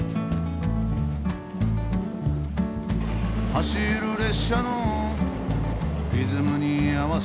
「走る列車のリズムにあわせ」